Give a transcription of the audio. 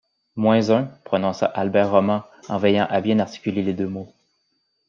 Moins un, prononça Albert Roman en veillant à bien articuler les deux mots.